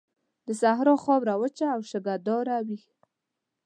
د صحرا خاوره وچه او شګهداره وي.